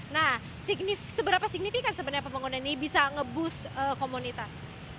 nah seberapa signifikan sebenarnya pembangunan ini bisa nge boost komunitas